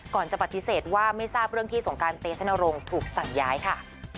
ก่อนจะปฏิเสธว่าไม่ทราบเรื่องที่สงการเตชนรงค์ถูกสั่งย้ายค่ะ